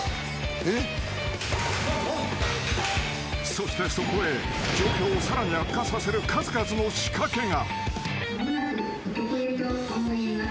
［そしてそこへ状況をさらに悪化させる数々の仕掛けが］